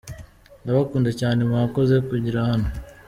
Ndabakunda cyane mwakoze kungira hano.